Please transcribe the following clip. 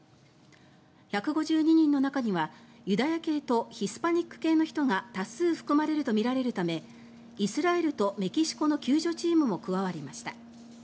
１５２人の中にはユダヤ系とヒスパニック系の人が多数含まれるとみられるためイスラエルとメキシコの救助チームも加わりました。